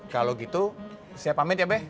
kalau gitu siap pamit ya be